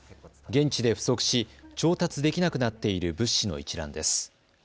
現地で不足し調達できなくなっている物資の一覧です。